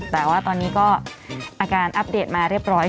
แต่ว่าตอนนี้ก็อาการอัปเดตมาเรียบร้อย